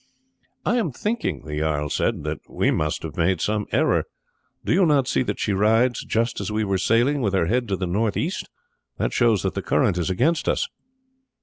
"I am thinking," the jarl said, "that we must have made some error. Do you not see that she rides, just as we were sailing, with her head to the north east? That shows that the current is against us."